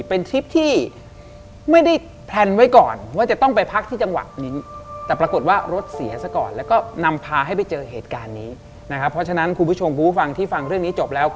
เป็นทริปที่ไม่ได้แพลนไว้ก่อน